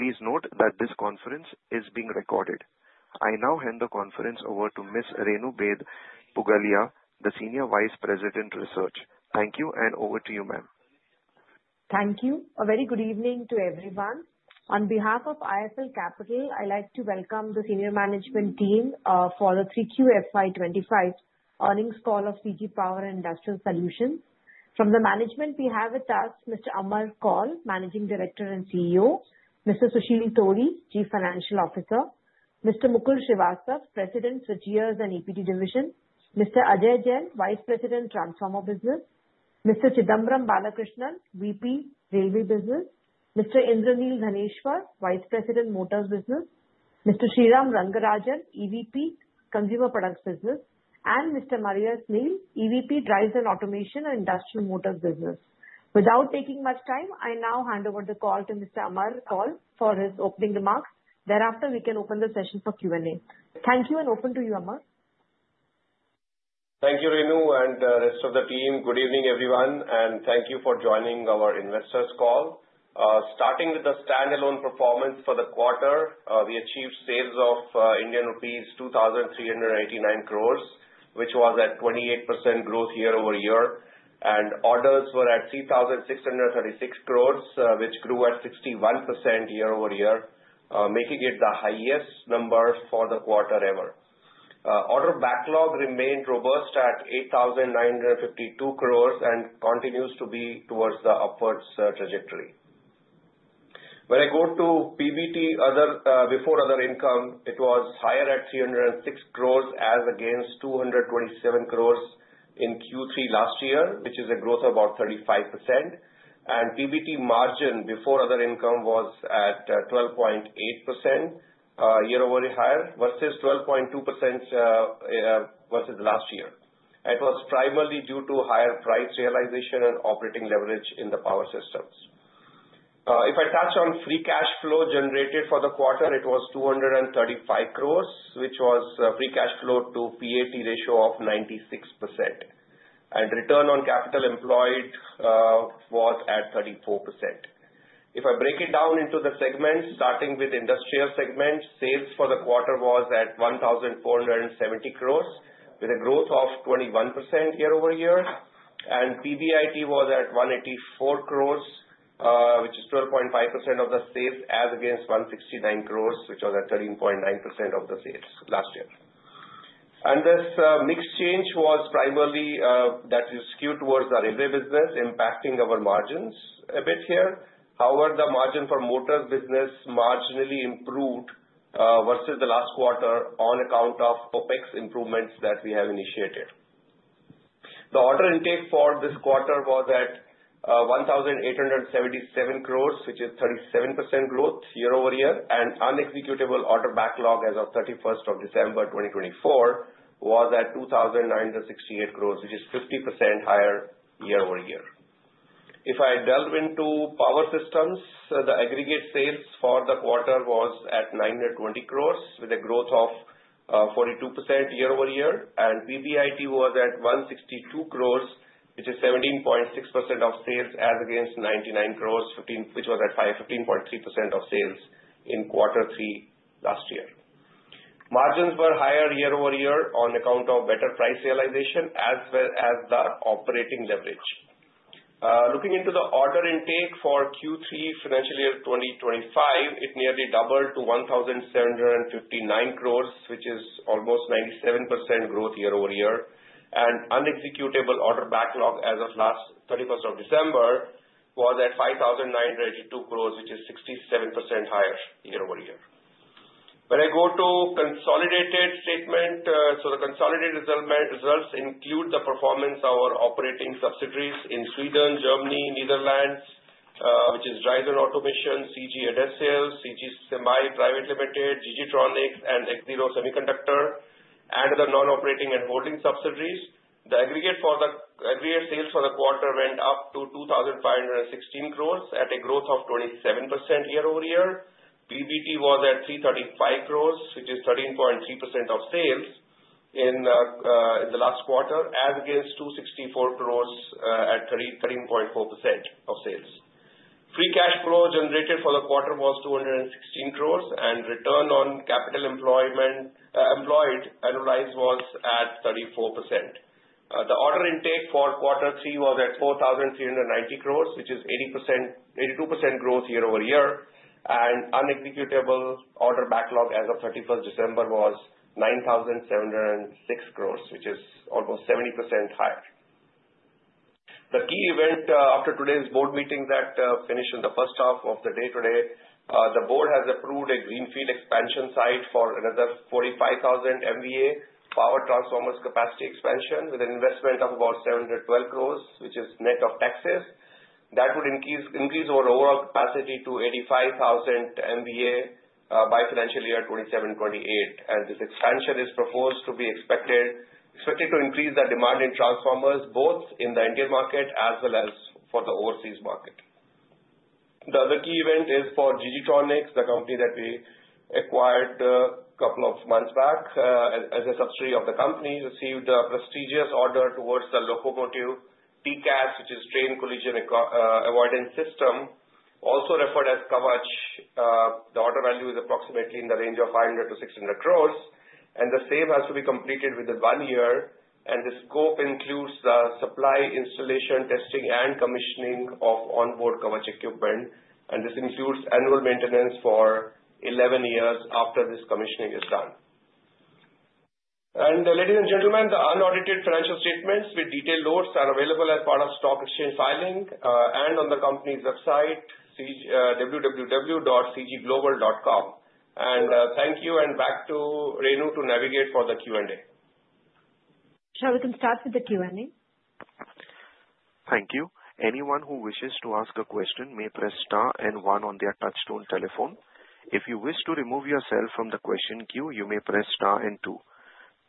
Please note that this conference is being recorded. I now hand the conference over to Ms. Renu Baid Pugalia, the Senior Vice President Research. Thank you, and over to you, ma'am. Thank you. A very good evening to everyone. On behalf of IIFL Capital, I'd like to welcome the Senior Management Team for the 3Q FY 2025 Earnings Call of CG Power & Industrial Solutions. From the management, we have with us Mr. Amar Kaul, Managing Director and CEO; Mr. Susheel Todi, Chief Financial Officer; Mr. Mukul Srivastava, President, Switchgears and EPD Division; Mr. Ajay Jain, Vice President, Transformer Business; Mr. Chidambaram Balakrishnan, VP, Railway Business; Mr. Indraneel Dhaneshwar, Vice President, Motors Business; Mr. Sriram Rangarajan, EVP, Consumer Products Business; and Mr. Marais Nel, EVP, Drives and Automation and Industrial Motors Business. Without taking much time, I now hand over the call to Mr. Amar Kaul for his opening remarks. Thereafter, we can open the session for Q&A. Thank you, and over to you, Amar. Thank you, Renu, and the rest of the team. Good evening, everyone, and thank you for joining our investors' call. Starting with the standalone performance for the quarter, we achieved sales of Indian rupees 2,389 crores, which was at 28% growth year over year. And orders were at 3,636 crores, which grew at 61% year-over-year, making it the highest number for the quarter ever. Order backlog remained robust at 8,952 crores and continues to be towards the upwards trajectory. When I go to PBT before other income, it was higher at 306 crores as against 227 crores in Q3 last year, which is a growth of about 35%. And PBT margin before other income was at 12.8%, year-over-year higher, versus 12.2% versus last year. It was primarily due to higher price realization and operating leverage in the power systems. If I touch on free cash flow generated for the quarter, it was 235 crores, which was free cash flow to PAT ratio of 96%. And return on capital employed was at 34%. If I break it down into the segments, starting with industrial segment, sales for the quarter was at 1,470 crores, with a growth of 21% year over year. And PBIT was at 184 crores, which is 12.5% of the sales as against 169 crores, which was at 13.9% of the sales last year. And this mixed change was primarily that we skewed towards the railway business, impacting our margins a bit here. However, the margin for motors business marginally improved versus the last quarter on account of OpEx improvements that we have initiated. The order intake for this quarter was at 1,877 crores, which is 37% growth year-over-year. Unexecuted order backlog as of 31st of December 2024 was at 2,968 crores, which is 50% higher year-over-year. If I delve into power systems, the aggregate sales for the quarter was at 920 crores, with a growth of 42% year over year. And PBIT was at 162 crores, which is 17.6% of sales as against 99 crores, which was at 15.3% of sales in quarter three last year. Margins were higher year-over-year on account of better price realization as well as the operating leverage. Looking into the order intake for Q3 financial year 2025, it nearly doubled to 1,759 crores, which is almost 97% growth year-over-year. And unexecuted order backlog as of last 31st of December was at 5,982 crores, which is 67% higher year-over-year. When I go to consolidated statement, so the consolidated results include the performance of our operating subsidiaries in Sweden, Germany, Netherlands, which is Drives and Automation, CG Adhesives, CG Semi Private Limited, G.G. Tronics, and Axiro Semiconductor, and the non-operating and holding subsidiaries. The aggregate sales for the quarter went up to 2,516 crores at a growth of 27% year over year. PBT was at 335 crores, which is 13.3% of sales in the last quarter, as against 264 crores at 13.4% of sales. Free cash flow generated for the quarter was 216 crores, and return on capital employed annualized was at 34%. The order intake for quarter three was at 4,390 crores, which is 82% growth year over year, and unexecuted order backlog as of 31st December was 9,706 crores, which is almost 70% higher. The key event after today's board meeting that finished in the first half of the day today, the board has approved a greenfield expansion site for another 45,000 MVA power transformers capacity expansion with an investment of about 712 crores, which is net of taxes. That would increase our overall capacity to 85,000 MVA by financial year 2027-2028. And this expansion is proposed to be expected to increase the demand in transformers, both in the Indian market as well as for the overseas market. The other key event is for G.G. Tronics, the company that we acquired a couple of months back as a subsidiary of the company, received a prestigious order towards the locomotive TCAS, which is Train Collision Avoidance System, also referred as Kavach. The order value is approximately in the range of 500 crores-600 crores. And the sale has to be completed within one year. The scope includes the supply, installation, testing, and commissioning of onboard Kavach equipment. This includes annual maintenance for 11 years after this commissioning is done. Ladies and gentlemen, the unaudited financial statements with detailed notes are available as part of stock exchange filing and on the company's website, www.cgglobal.com. Thank you, and back to Renu to navigate for the Q&A. Shall we start with the Q&A? Thank you. Anyone who wishes to ask a question may press star and one on their touch-tone telephone. If you wish to remove yourself from the question queue, you may press star and two.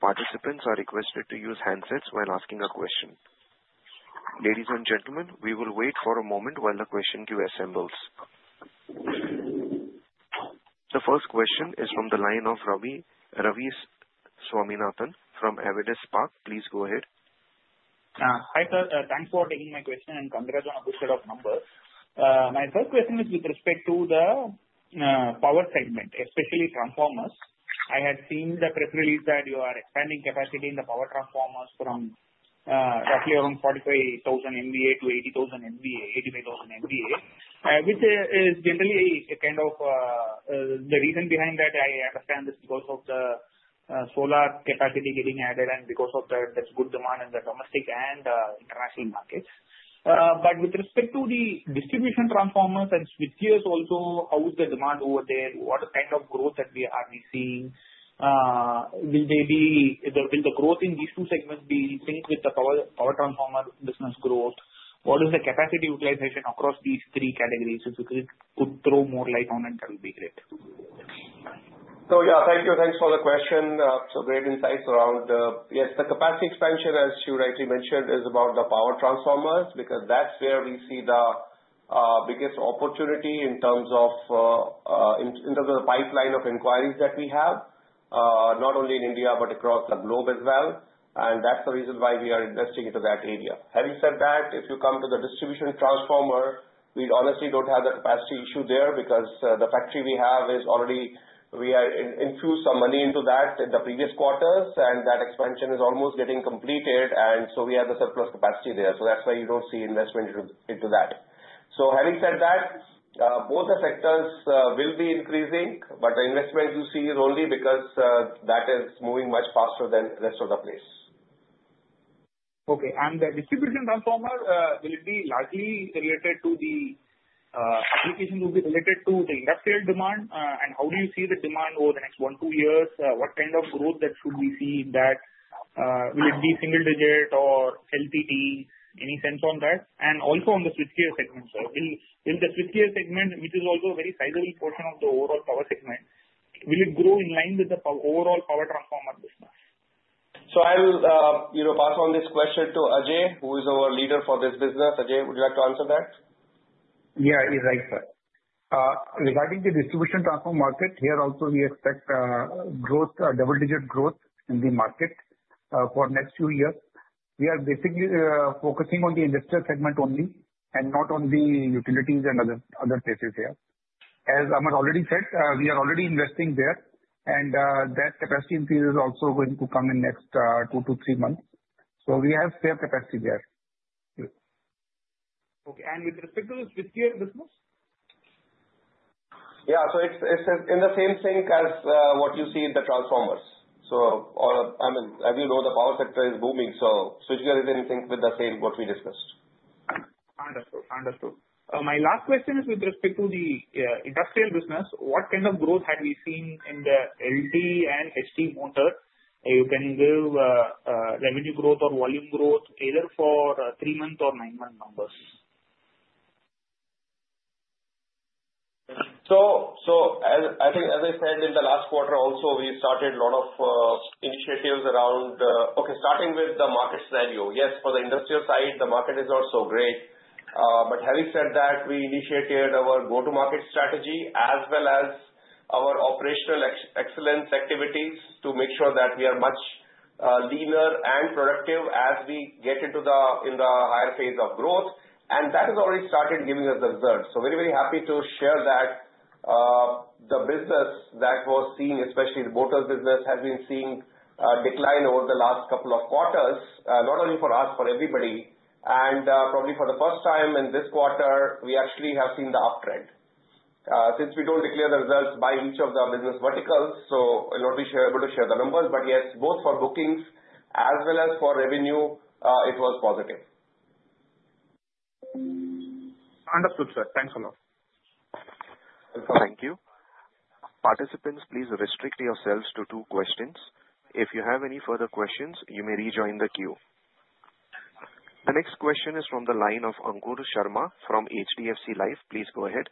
Participants are requested to use handsets while asking a question. Ladies and gentlemen, we will wait for a moment while the question queue assembles. The first question is from the line of Ravi Swaminathan from Avendus Spark. Please go ahead. Hi, sir, thanks for taking my question and congrats on a good set of numbers. My first question is with respect to the power segment, especially transformers. I had seen the press release that you are expanding capacity in the power transformers from roughly around 45,000 MVA to 80,000 MVA. Which is generally a kind of the reason behind that, I understand, is because of the solar capacity getting added and because of the good demand in the domestic and international markets. But with respect to the distribution transformers and switchgears also, how is the demand over there? What kind of growth that we are seeing? Will the growth in these two segments be linked with the power transformer business growth? What is the capacity utilization across these three categories? If you could throw more light on it, that would be great. So yeah, thank you. Thanks for the question. Some great insights around, yes, the capacity expansion, as you rightly mentioned, is about the power transformers because that's where we see the biggest opportunity in terms of the pipeline of inquiries that we have, not only in India but across the globe as well. And that's the reason why we are investing into that area. Having said that, if you come to the distribution transformer, we honestly don't have the capacity issue there because the factory we have is already infused some money into that in the previous quarters, and that expansion is almost getting completed. And so we have the surplus capacity there. So that's why you don't see investment into that. So having said that, both the sectors will be increasing, but the investment you see is only because that is moving much faster than the rest of the place. Okay. And the distribution transformer, will it be largely related to the application? Will be related to the industrial demand? And how do you see the demand over the next one, two years? What kind of growth should we see? Will it be single digit or double digit? Any sense on that? And also on the switchgear segment, sir, will the switchgear segment, which is also a very sizable portion of the overall power segment, grow in line with the overall power transformer business? So I'll pass on this question to Ajay, who is our leader for this business. Ajay, would you like to answer that? Yeah, he's right, sir. Regarding the distribution transformer market, here also we expect double-digit growth in the market for the next few years. We are basically focusing on the industrial segment only and not on the utilities and other places here. As Amar already said, we are already investing there, and that capacity increase is also going to come in the next two to three months. So we have fair capacity there. Okay. And with respect to the switchgear business? Yeah, so it's in the same thing as what you see in the transformers. So I mean, as you know, the power sector is booming, so switchgear is in sync with the same what we discussed. Understood. Understood. My last question is with respect to the industrial business. What kind of growth have we seen in the LT and HT Motor? You can give revenue growth or volume growth either for three-month or nine-month numbers. So as I said, in the last quarter also, we started a lot of initiatives around, okay, starting with the market scenario. Yes, for the industrial side, the market is not so great. But having said that, we initiated our go-to-market strategy as well as our operational excellence activities to make sure that we are much leaner and productive as we get into the higher phase of growth. And that has already started giving us the results. So very, very happy to share that the business that was seeing, especially the motors business, has been seeing a decline over the last couple of quarters, not only for us, for everybody. And probably for the first time in this quarter, we actually have seen the uptrend. Since we don't declare the results by each of the business verticals, so we're not able to share the numbers, but yes, both for bookings as well as for revenue, it was positive. Understood, sir. Thanks a lot. Thank you. Participants, please restrict yourselves to two questions. If you have any further questions, you may rejoin the queue. The next question is from the line of Ankur Sharma from HDFC Life. Please go ahead.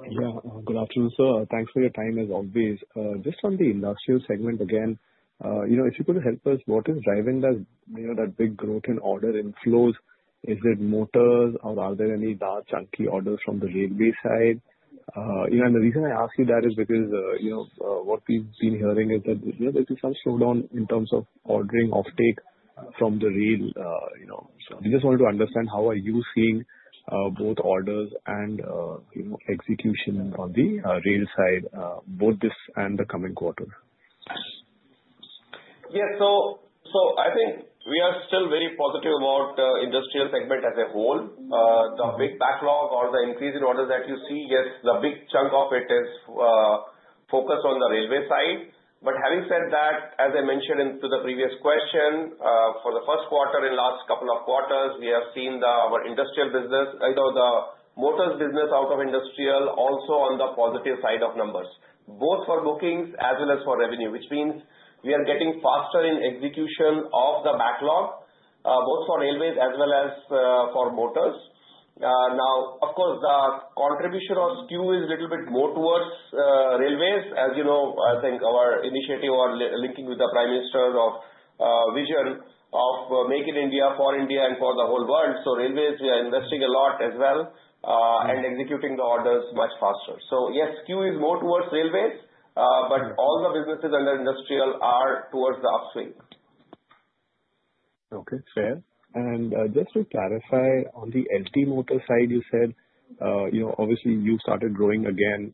Yeah, good afternoon, sir. Thanks for your time as always. Just on the industrial segment again, if you could help us, what is driving that big growth in order inflows? Is it motors, or are there any large chunky orders from the railway side? And the reason I ask you that is because what we've been hearing is that there's been some slowdown in terms of ordering offtake from the rail. So we just wanted to understand how are you seeing both orders and execution on the rail side, both this and the coming quarter? Yes, so I think we are still very positive about the industrial segment as a whole. The big backlog or the increase in orders that you see, yes, the big chunk of it is focused on the railway side. But having said that, as I mentioned in the previous question, for the first quarter and last couple of quarters, we have seen our industrial business, either the motors business out of industrial, also on the positive side of numbers, both for bookings as well as for revenue, which means we are getting faster in execution of the backlog, both for railways as well as for motors. Now, of course, the contribution or skew is a little bit more towards railways. As you know, I think our initiative or linking with the Prime Minister's vision of Make in India for India and for the whole world. So, railways, we are investing a lot as well and executing the orders much faster. So yes, skew is more towards railways, but all the businesses under industrial are towards the upswing. Okay, fair. And just to clarify, on the LT motor side, you said obviously you started growing again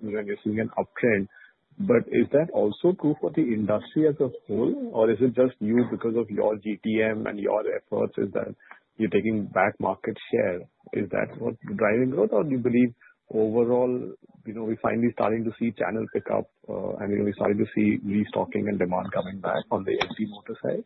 when you're seeing an uptrend. But is that also true for the industry as a whole, or is it just you because of your GTM and your efforts? Is that you're taking back market share? Is that what's driving growth, or do you believe overall we're finally starting to see channel pickup, and we're starting to see restocking and demand coming back on the LT motor side?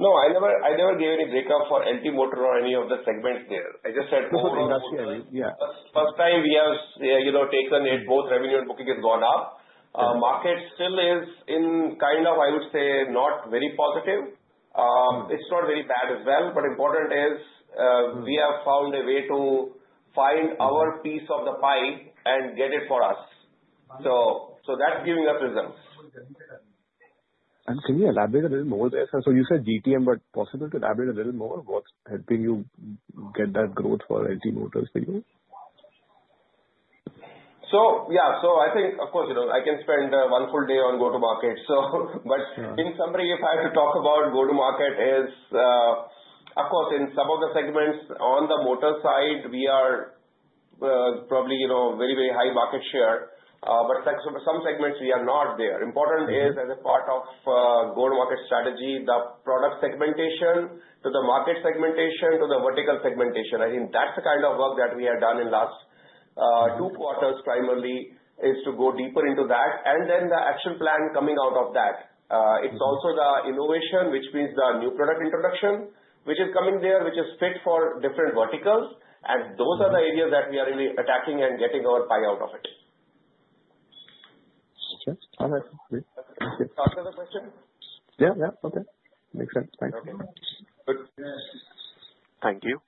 No, I never gave any break-up for LT motor or any of the segments there. I just said for the railway. This is industrial, yeah. First time we have taken it, both revenue and booking has gone up. Market still is in kind of, I would say, not very positive. It's not very bad as well. But important is we have found a way to find our piece of the pie and get it for us. So that's giving us results. And can you elaborate a little more there? So you said GTM, but possible to elaborate a little more? What's helping you get that growth for LT motors for you? So yeah, so I think, of course, I can spend one full day on go-to-market. But in summary, if I have to talk about go-to-market, of course, in some of the segments on the motor side, we are probably very, very high market share. But some segments, we are not there. Important is, as a part of go-to-market strategy, the product segmentation to the market segmentation to the vertical segmentation. I think that's the kind of work that we have done in the last two quarters primarily is to go deeper into that. And then the action plan coming out of that. It's also the innovation, which means the new product introduction, which is coming there, which is fit for different verticals. And those are the areas that we are really attacking and getting our pie out of it. Okay. All right. Can you ask another question? Yeah, yeah. Okay. Makes sense. Thanks. Okay. Good. Thank you.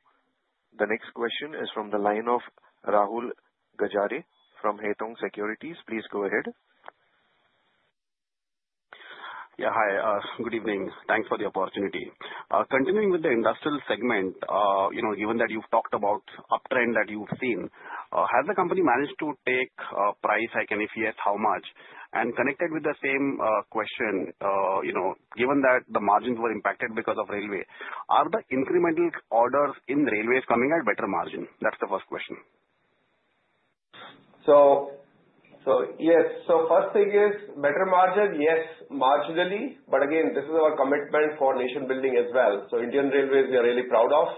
The next question is from the line of Rahul Gajare from Haitong Securities. Please go ahead. Yeah, hi. Good evening. Thanks for the opportunity. Continuing with the industrial segment, given that you've talked about uptrend that you've seen, has the company managed to take price, if yes, how much? And connected with the same question, given that the margins were impacted because of railway, are the incremental orders in railways coming at better margin? That's the first question. So, yes, so first thing is better margin, yes, marginally. But again, this is our commitment for nation building as well. So, Indian Railways, we are really proud of.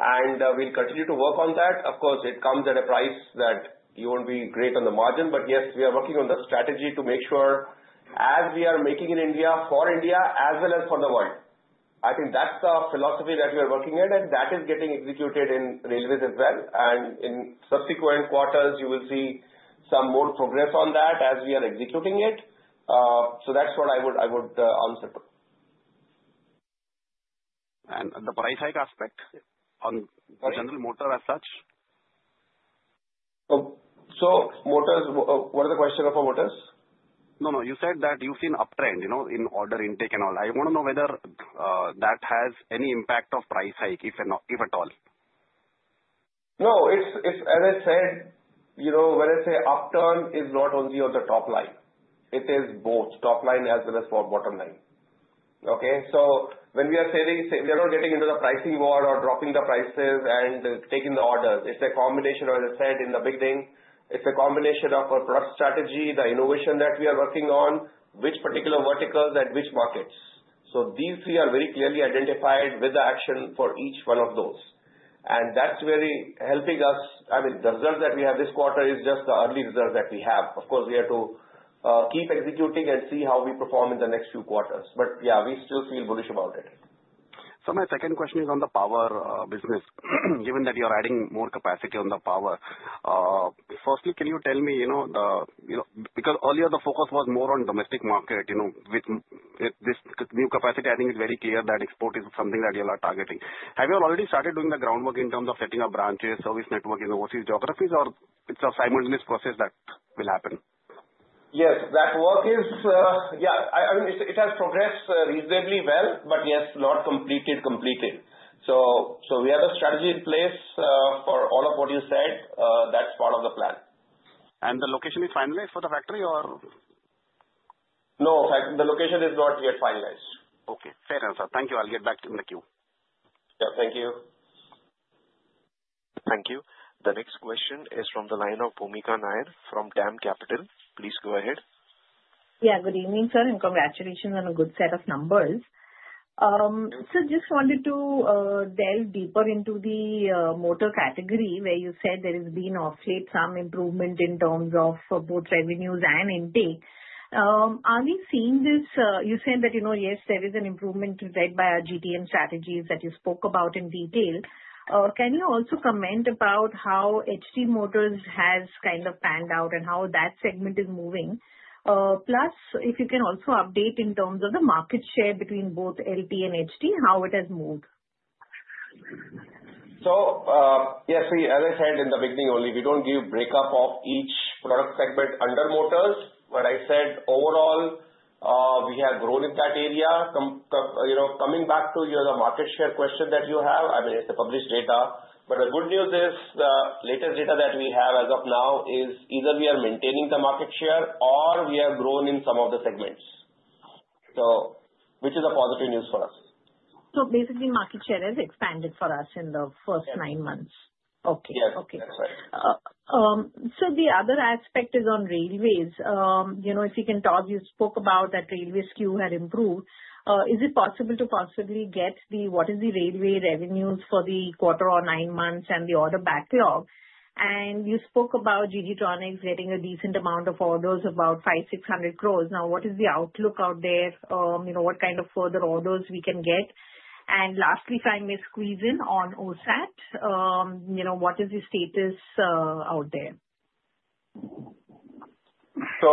And we'll continue to work on that. Of course, it comes at a price that you won't be great on the margin. But yes, we are working on the strategy to make sure as we are Making in India for India as well as for the world. I think that's the philosophy that we are working at, and that is getting executed in railways as well. And in subsequent quarters, you will see some more progress on that as we are executing it. So, that's what I would answer to. The price side aspect on general motors as such? Motors, what is the question of motors? No, no. You said that you've seen uptrend in order intake and all. I want to know whether that has any impact of price hike, if at all? No, as I said, when I say upturn, it's not only on the top line. It is both top line as well as bottom line. Okay? So when we are saying we are not getting into the pricing war or dropping the prices and taking the orders, it's a combination, as I said in the beginning, it's a combination of our product strategy, the innovation that we are working on, which particular verticals at which markets. So these three are very clearly identified with the action for each one of those. And that's really helping us. I mean, the results that we have this quarter is just the early results that we have. Of course, we have to keep executing and see how we perform in the next few quarters. But yeah, we still feel bullish about it. So my second question is on the power business. Given that you are adding more capacity on the power, firstly, can you tell me because earlier the focus was more on domestic market with this new capacity, I think it's very clear that export is something that you are targeting. Have you already started doing the groundwork in terms of setting up branches, service network in overseas geographies, or it's a simultaneous process that will happen? Yes, that work is, I mean, it has progressed reasonably well, but yes, not completed, so we have a strategy in place for all of what you said. That's part of the plan. The location is finalized for the factory or? No, the location is not yet finalized. Okay. Fair answer. Thank you. I'll get back to you in the queue. Yeah, thank you. Thank you. The next question is from the line of Bhoomika Nair from DAM Capital. Please go ahead. Yeah, good evening, sir, and congratulations on a good set of numbers. So just wanted to delve deeper into the motor category where you said there has been of late some improvement in terms of both revenues and intake. Are we seeing this? You said that yes, there is an improvement led by our GTM strategies that you spoke about in detail. Can you also comment about how HT motors has kind of panned out and how that segment is moving? Plus, if you can also update in terms of the market share between both LT and HT, how it has moved. So yes, as I said in the beginning, only we don't give breakup of each product segment under motors. But I said overall, we have grown in that area. Coming back to the market share question that you have, I mean, it's the published data. But the good news is the latest data that we have as of now is either we are maintaining the market share or we have grown in some of the segments, which is a positive news for us. Basically, market share has expanded for us in the first nine months. Yes. Okay. Yes, that's right. So the other aspect is on railways. If you can talk, you spoke about that railway skew had improved. Is it possible to possibly get what is the railway revenues for the quarter or nine months and the order backlog? And you spoke about G.G. Tronics getting a decent amount of orders, about 5,600 crores. Now, what is the outlook out there? What kind of further orders we can get? And lastly, if I may squeeze in on OSAT, what is the status out there? So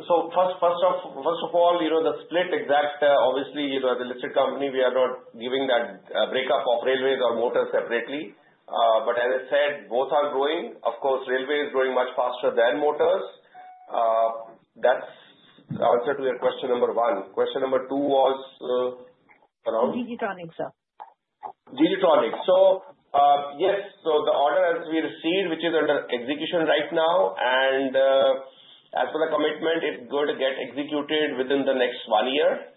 first of all, the split exact, obviously, as a listed company, we are not giving that breakup of railways or motors separately. But as I said, both are growing. Of course, railway is growing much faster than motors. That's the answer to your question number one. Question number two was around. G.G. Tronics, sir. G.G. Tronics. So yes, so the order as we received, which is under execution right now. And as for the commitment, it's going to get executed within the next one year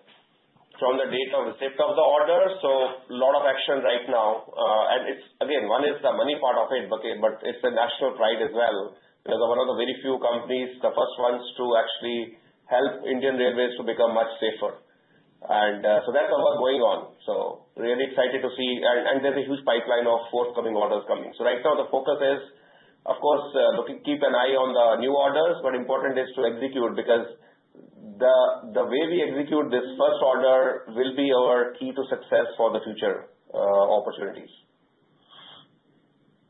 from the date of receipt of the order. So a lot of action right now. And again, one is the money part of it, but it's a national pride as well. We are one of the very few companies, the first ones to actually help Indian Railways to become much safer. And so that's what we're going on. So really excited to see. And there's a huge pipeline of forthcoming orders coming. So right now, the focus is, of course, keep an eye on the new orders, but important is to execute because the way we execute this first order will be our key to success for the future opportunities.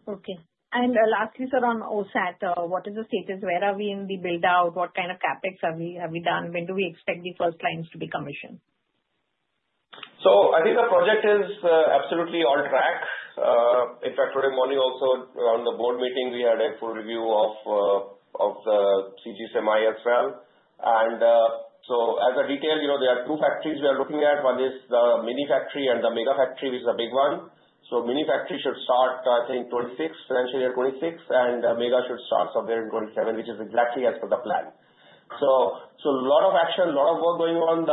Okay. And lastly, sir, on OSAT, what is the status? Where are we in the buildout? What kind of CapEx have we done? When do we expect the first lines to be commissioned? I think the project is absolutely on track. In fact, today morning also, on the board meeting, we had a full review of the CG Semi as well. As a detail, there are two factories we are looking at. One is the mini factory and the mega factory, which is a big one. The mini factory should start, I think, 2026, potentially 2026, and the mega should start somewhere in 2027, which is exactly as per the plan. A lot of action, a lot of work going on.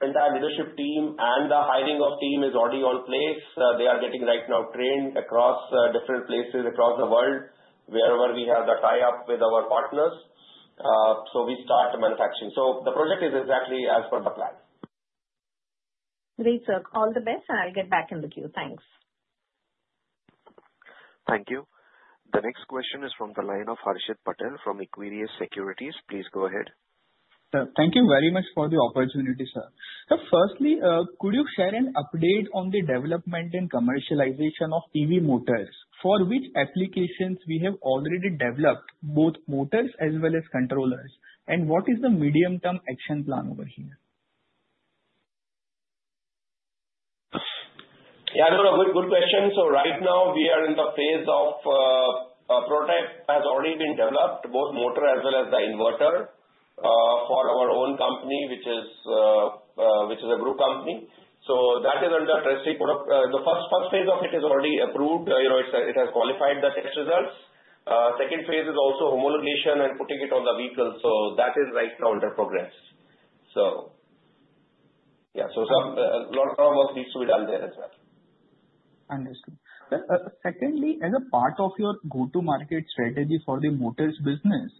The entire leadership team and the hiring of the team is already in place. They are getting right now trained across different places across the world, wherever we have the tie-up with our partners. We start the manufacturing. The project is exactly as per the plan. Great. So all the best, and I'll get back in the queue. Thanks. Thank you. The next question is from the line of Harshit Patel from Equirus Securities. Please go ahead. Thank you very much for the opportunity, sir. Firstly, could you share an update on the development and commercialization of EV motors for which applications we have already developed both motors as well as controllers? And what is the medium-term action plan over here? Yeah, good question. So right now, we are in the phase of prototype has already been developed, both motor as well as the inverter for our own company, which is a group company. So that is under testing. The first phase of it is already approved. It has qualified the test results. Second phase is also homologation and putting it on the vehicles. So that is right now under progress. So yeah, so a lot of work needs to be done there as well. Understood. Secondly, as a part of your go-to-market strategy for the motors business,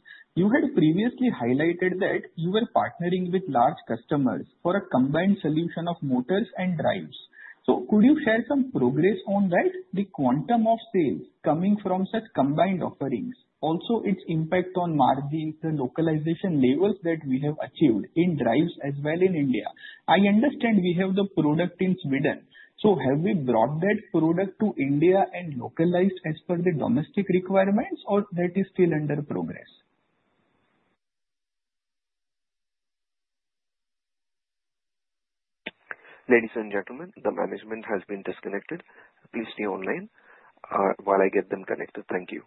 you had previously highlighted that you were partnering with large customers for a combined solution of motors and drives. So could you share some progress on that? The quantum of sales coming from such combined offerings, also its impact on margins, the localization levels that we have achieved in drives as well in India. I understand we have the product in Sweden. So have we brought that product to India and localized as per the domestic requirements, or that is still under progress? Ladies and gentlemen, the management has been disconnected. Please stay online while I get them connected. Thank you.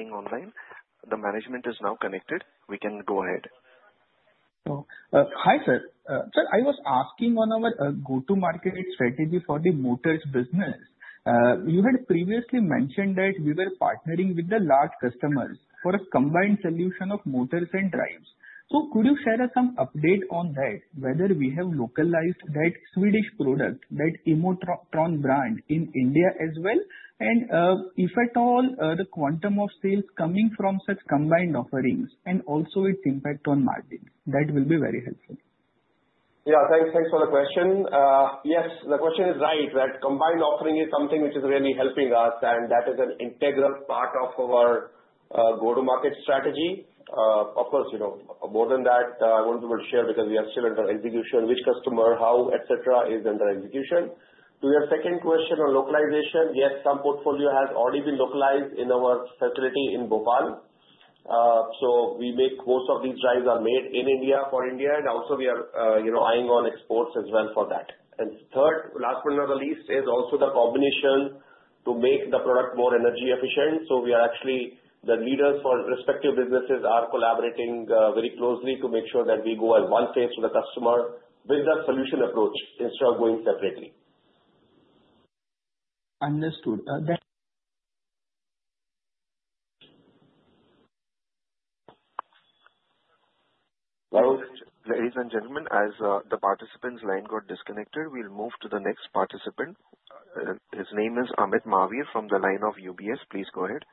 Thank you for staying online. The management is now connected. We can go ahead. Hi, sir. Sir, I was asking on our go-to-market strategy for the motors business. You had previously mentioned that we were partnering with the large customers for a combined solution of motors and drives. So could you share some update on that, whether we have localized that Swedish product, that Emotron brand in India as well, and if at all, the quantum of sales coming from such combined offerings and also its impact on margins? That will be very helpful. Yeah, thanks for the question. Yes, the question is right that combined offering is something which is really helping us, and that is an integral part of our go-to-market strategy. Of course, more than that, I won't be able to share because we are still under execution, which customer, how, etc., is under execution. To your second question on localization, yes, some portfolio has already been localized in our facility in Bhopal. So most of these drives are made in India for India, and also we are eyeing on exports as well for that. And third, last but not the least, is also the combination to make the product more energy efficient. So we are actually the leaders for respective businesses are collaborating very closely to make sure that we go as one phase to the customer with the solution approach instead of going separately. Understood. Ladies and gentlemen, as the participant's line got disconnected, we'll move to the next participant. His name is Amit Mahawar from the line of UBS. Please go ahead.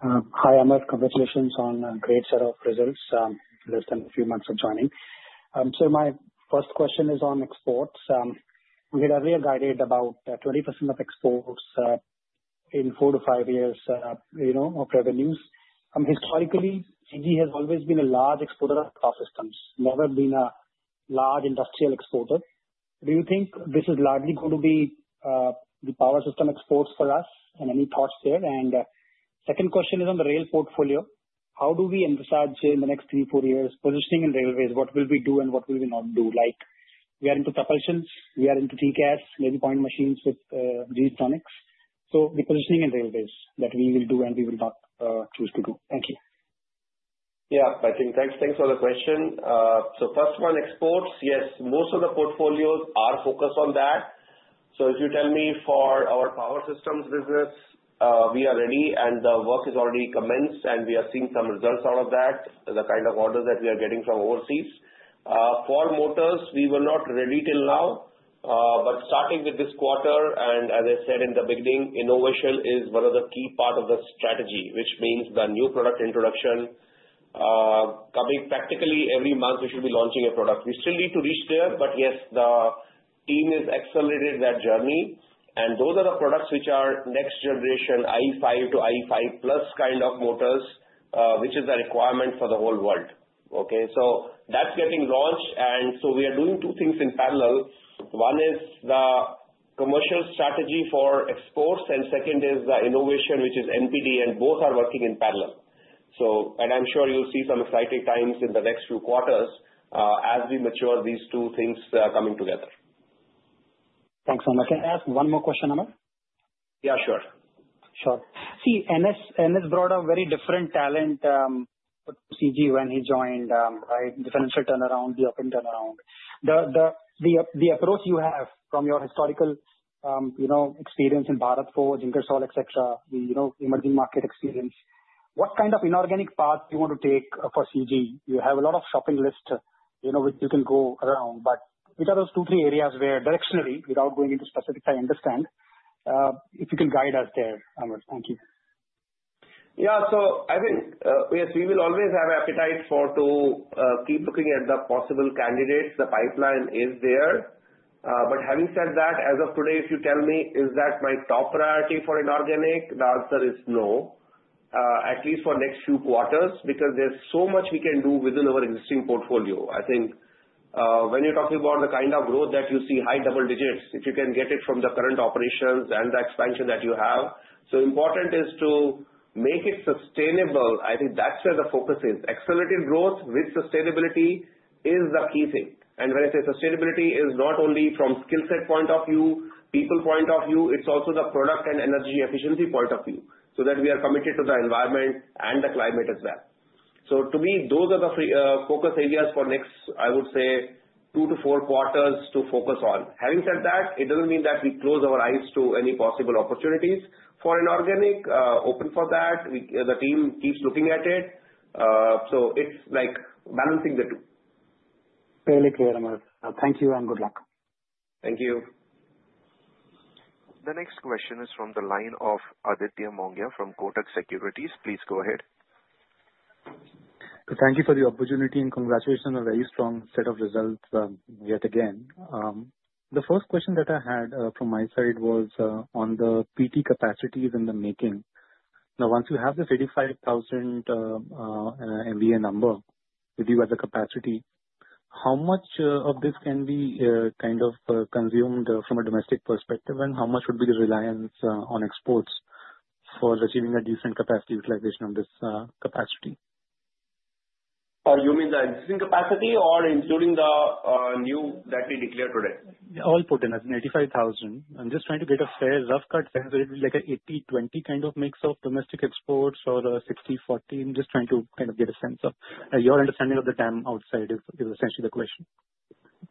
Hi, Amar. Congratulations on a great set of results. Less than a few months of joining. So my first question is on exports. We had earlier guided about 20% of exports in four to five years of revenues. Historically, CG has always been a large exporter of power systems, never been a large industrial exporter. Do you think this is largely going to be the power system exports for us and any thoughts there? And second question is on the rail portfolio. How do we emphasize in the next three, four years positioning in railways? What will we do and what will we not do? We are into propulsions. We are into TCAS, maybe point machines with G.G. Tronics. So the positioning in railways that we will do and we will not choose to do. Thank you. Yeah, I think, thanks for the question. So first one, exports, yes, most of the portfolios are focused on that. So if you tell me for our power systems business, we are ready and the work is already commenced and we are seeing some results out of that, the kind of orders that we are getting from overseas. For motors, we were not ready till now, but starting with this quarter, and as I said in the beginning, innovation is one of the key parts of the strategy, which means the new product introduction coming practically every month, we should be launching a product. We still need to reach there, but yes, the team has accelerated that journey. And those are the products which are next generation IE5 to IE5+ kind of motors, which is the requirement for the whole world. Okay? So that's getting launched. And so we are doing two things in parallel. One is the commercial strategy for exports, and second is the innovation, which is NPD, and both are working in parallel. And I'm sure you'll see some exciting times in the next few quarters as we mature these two things coming together. Thanks so much. Can I ask one more question, Amar? Yeah, sure. Sure. See, NS brought a very different talent to CG when he joined, right? The financial turnaround, the up and turnaround. The approach you have from your historical experience in Bharatpur, Jinkhola, etc., emerging market experience, what kind of inorganic path do you want to take for CG? You have a lot of shopping list which you can go around, but which are those two, three areas where directionally, without going into specifics, I understand, if you can guide us there, Amar. Thank you. Yeah. So I think, yes, we will always have appetite for to keep looking at the possible candidates. The pipeline is there. But having said that, as of today, if you tell me, is that my top priority for inorganic, the answer is no, at least for next few quarters because there's so much we can do within our existing portfolio. I think when you're talking about the kind of growth that you see, high double digits, if you can get it from the current operations and the expansion that you have. So important is to make it sustainable. I think that's where the focus is. Accelerated growth with sustainability is the key thing. And when I say sustainability, it is not only from skill set point of view, people point of view, it's also the product and energy efficiency point of view so that we are committed to the environment and the climate as well. So to me, those are the focus areas for next, I would say, two to four quarters to focus on. Having said that, it doesn't mean that we close our eyes to any possible opportunities for inorganic. Open for that. The team keeps looking at it. So it's like balancing the two. Fairly clear, Amar. Thank you and good luck. Thank you. The next question is from the line of Aditya Mongia from Kotak Securities. Please go ahead. Thank you for the opportunity and congratulations on a very strong set of results yet again. The first question that I had from my side was on the PT capacities in the making. Now, once you have the 35,000 MVA number with you as a capacity, how much of this can be kind of consumed from a domestic perspective, and how much would be the reliance on exports for achieving a decent capacity utilization of this capacity? You mean the existing capacity or including the new that we declare today? All put in, as in 85,000. I'm just trying to get a fair rough cut sense of it, like an 80/20 kind of mix of domestic exports or 60/40. I'm just trying to kind of get a sense of your understanding of the TAM outside is essentially the question.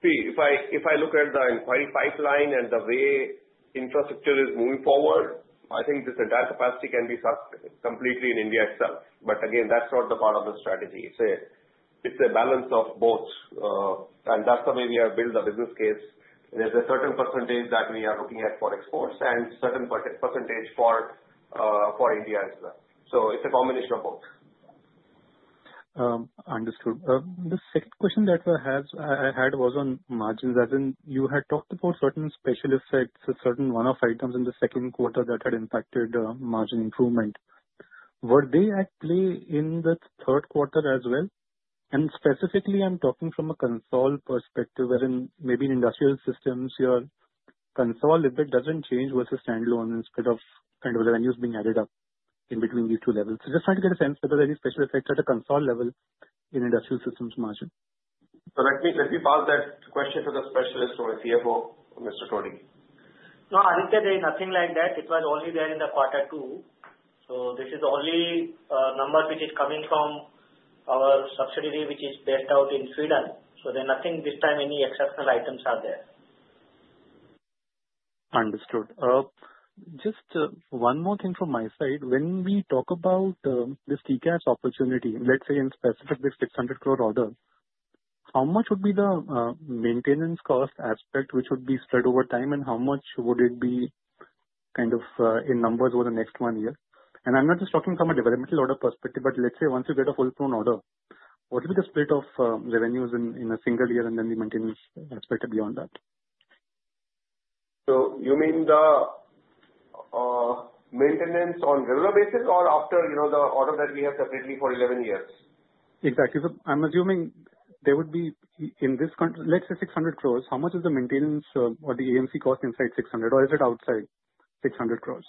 See, if I look at the inquiry pipeline and the way infrastructure is moving forward, I think this entire capacity can be soaked completely in India itself. But again, that's not a part of the strategy. It's a balance of both. And that's the way we have built the business case. There's a certain percentage that we are looking at for exports and a certain percentage for India as well. So it's a combination of both. Understood. The second question that I had was on margins. As in, you had talked about certain special effects, certain one-off items in the second quarter that had impacted margin improvement. Were they at play in the third quarter as well? And specifically, I'm talking from a consolidated perspective wherein maybe in industrial systems, your consolidated EBIT doesn't change versus standalone instead of kind of the synergies being added up in between these two levels. So just trying to get a sense whether there are any special effects at a consolidated level in industrial systems margin. So let me pass that question to the specialist or a CFO, Mr. Todi. No, I didn't say nothing like that. It was only there in the quarter two. So this is the only number which is coming from our subsidiary, which is based out in Sweden. So there's nothing this time. Any exceptional items are there. Understood. Just one more thing from my side. When we talk about this TCAS opportunity, let's say in specific, this 600 crore order, how much would be the maintenance cost aspect which would be spread over time, and how much would it be kind of in numbers over the next one year? And I'm not just talking from a developmental order perspective, but let's say once you get a full-blown order, what would be the split of revenues in a single year and then the maintenance aspect beyond that? You mean the maintenance on a regular basis or after the order that we have separately for 11 years? Exactly. So I'm assuming there would be in this country, let's say 600 crores, how much is the maintenance or the AMC cost inside 600, or is it outside 600 crores?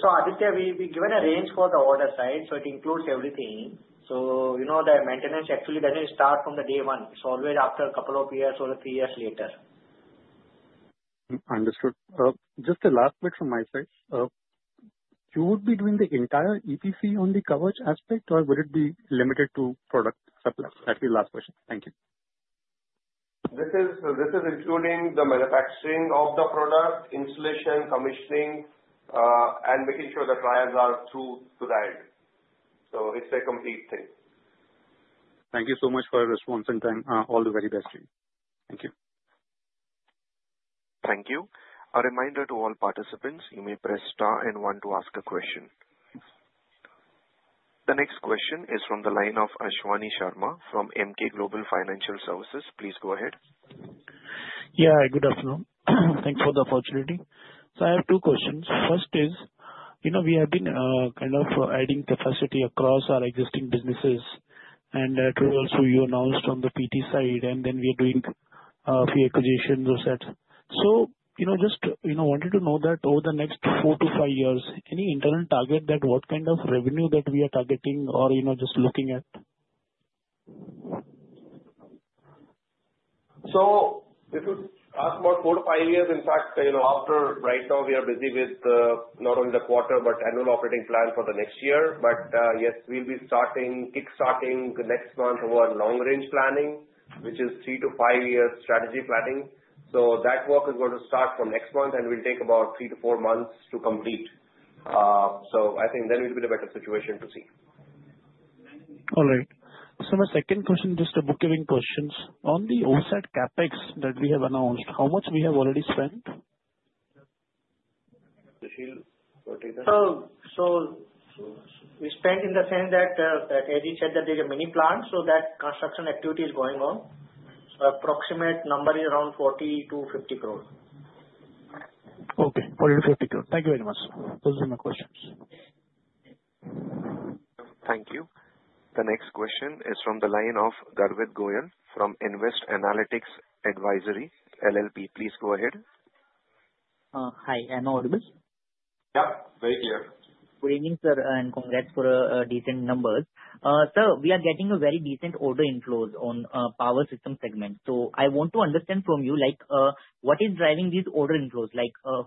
Aditya, we give a range for the order side, so it includes everything. The maintenance actually doesn't start from day one. It's always after a couple of years or three years later. Understood. Just the last bit from my side. You would be doing the entire EPC on the coverage aspect, or would it be limited to product supply? That's the last question. Thank you. This is including the manufacturing of the product, installation, commissioning, and making sure the trials are through to the end. So it's a complete thing. Thank you so much for your response and time. All the very best. Thank you. Thank you. A reminder to all participants, you may press star and one to ask a question. The next question is from the line of Ashwani Sharma from Emkay Global Financial Services. Please go ahead. Yeah, good afternoon. Thanks for the opportunity. So I have two questions. First is, we have been kind of adding capacity across our existing businesses, and I told you also you announced on the PT side, and then we are doing a few acquisitions or such. So just wanted to know that over the next four to five years, any internal target that what kind of revenue that we are targeting or just looking at? So if you ask about four to five years, in fact, as of right now we are busy with not only the quarter but annual operating plan for the next year, but yes, we'll be kickstarting next month our long-range planning, which is three to five years strategy planning. So that work is going to start from next month, and we'll take about three to four months to complete. So I think then it will be a better situation to see. All right. So my second question, just a bookkeeping question. On the OSAT CapEx that we have announced, how much we have already spent? Susheel, go ahead. We spent, in the sense that Eddie said that there is a mini plant, so that construction activity is going on. Approximate number is around 40 crore-50 crore. Okay. 40 crore-50 crore. Thank you very much. Those are my questions. Thank you. The next question is from the line of Garvit Goyal from Nvest Analytics Advisory LLP. Please go ahead. Hi. Am I audible? Yeah. Very clear. Good evening, sir, and congrats for decent numbers. Sir, we are getting a very decent order inflows on power system segment. So I want to understand from you, what is driving these order inflows?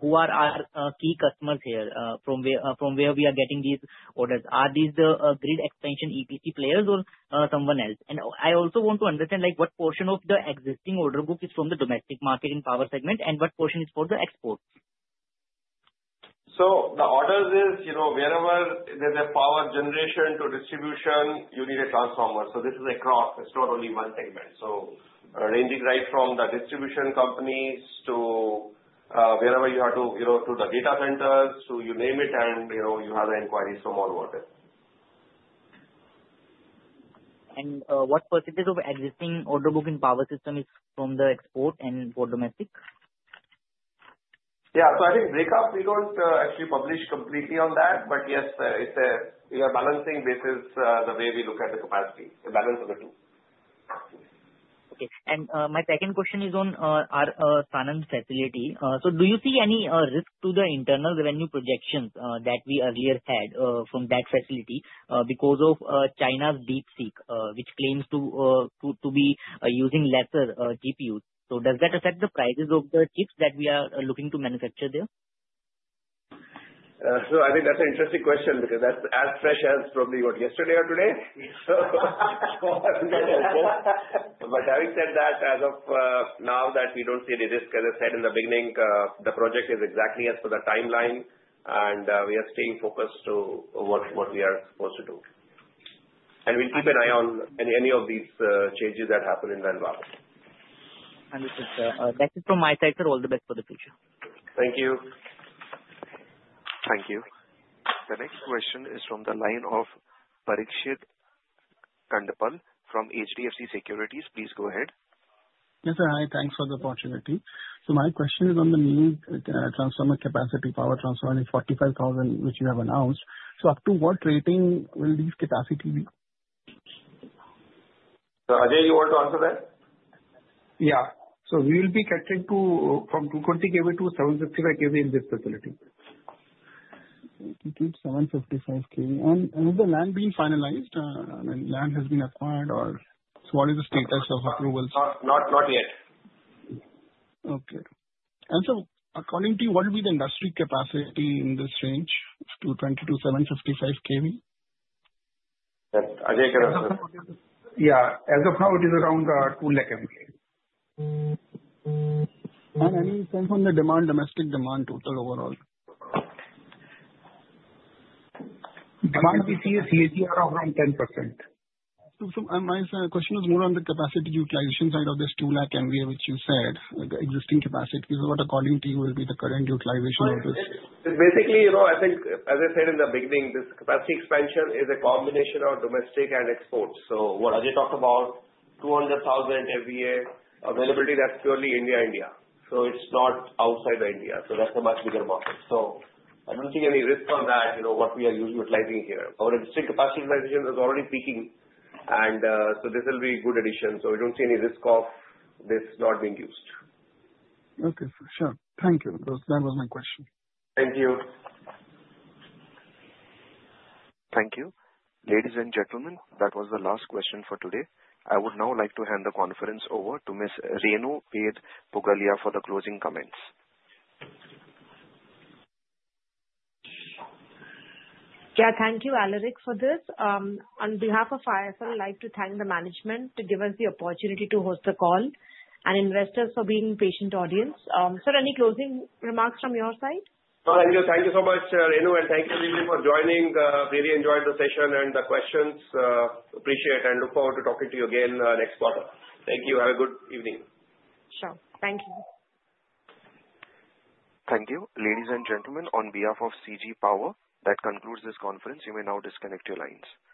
Who are our key customers here from where we are getting these orders? Are these the grid expansion EPC players or someone else? And I also want to understand what portion of the existing order book is from the domestic market in power segment and what portion is for the exports? So the order is wherever there's a power generation to distribution, you need a transformer. So this is across. It's not only one segment. So ranging right from the distribution companies to wherever you have to do the data centers, so you name it and you have the inquiries from all over. What percentage of existing order book in power system is from the export and for domestic? Yeah. So I think breakup, we don't actually publish completely on that, but yes, we are balancing basis the way we look at the capacity, the balance of the two. Okay. And my second question is on our Sanand facility. So do you see any risk to the internal revenue projections that we earlier had from that facility because of China's DeepSeek, which claims to be using lesser GPUs? So does that affect the prices of the chips that we are looking to manufacture there? So I think that's an interesting question because that's as fresh as probably what, yesterday or today? But having said that, as of now, we don't see any risk, as I said in the beginning, the project is exactly as per the timeline, and we are staying focused to what we are supposed to do. And we'll keep an eye on any of these changes that happen in the environment. Understood, sir. That's it from my side, sir. All the best for the future. Thank you. Thank you. The next question is from the line of Parikshit Kandpal from HDFC Securities. Please go ahead. Yes, sir. Hi. Thanks for the opportunity. So my question is on the new transformer capacity, power transformer 45,000, which you have announced. So up to what rating will this capacity be? So Ajay, you want to answer that? Yeah. So we will be captured from 220 kV to 755 kV in this facility. 755 kV. And has the land been finalized? Land has been acquired, or what is the status of approvals? Not yet. Okay. And so according to you, what will be the industry capacity in this range, 220-755 kV? Ajay, can I answer? Yeah. As of now, it is around 2 lakh MVA. And any sense on the demand, domestic demand total overall? Demand we see is CAGR of around 10%. So my question was more on the capacity utilization side of this 2 lakh MVA, which you said, existing capacity. What, according to you, will be the current utilization of this? Basically, I think, as I said in the beginning, this capacity expansion is a combination of domestic and export. So what Ajay talked about, 200,000 MVA availability, that's purely India, India. So it's not outside India. So that's a much bigger market. So I don't see any risk on that, what we are usually utilizing here. Our existing capacity utilization is already peaking, and so this will be a good addition. So we don't see any risk of this not being used. Okay. For sure. Thank you. That was my question. Thank you. Thank you. Ladies and gentlemen, that was the last question for today. I would now like to hand the conference over to Ms. Renu Baid Pugalia for the closing comments. Yeah. Thank you, Alarik, for this. On behalf of IIFL, I'd like to thank the management to give us the opportunity to host the call and investors for being patient audience. Sir, any closing remarks from your side? No, thank you. Thank you so much, Renu, and thank you for joining. Really enjoyed the session and the questions. Appreciate and look forward to talking to you again next quarter. Thank you. Have a good evening. Sure. Thank you. Thank you. Ladies and gentlemen, on behalf of CG Power, that concludes this conference. You may now disconnect your lines.